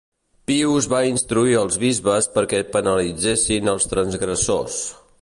Pius va instruir els bisbes perquè penalitzessin els transgressors.